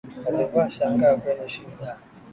Alivaa shanga kwenye shingo